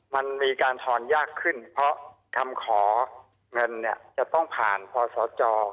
มันมีการทอนยากขึ้นเพราะคำขอเงินเนี่ยจะต้องผ่านพศจ